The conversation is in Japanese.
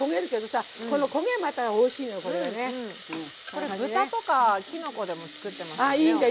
これ豚とかきのこでも作ってますよね。